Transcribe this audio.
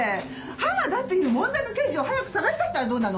浜田っていう問題の刑事を早く捜し出したらどうなの？